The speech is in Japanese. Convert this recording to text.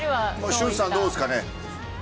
俊輔さん、どうですかね。